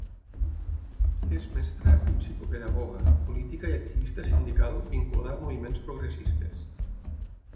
És mestra i psicopedagoga, política i activista sindical vinculada a moviments progressistes.